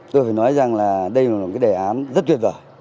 tôi phải nói rằng là đây là một cái đề án rất tuyệt vời